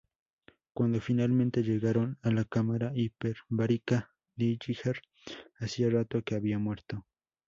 Cuando finalmente llegaron a la cámara hiperbárica, Dillinger hacía rato que había muerto.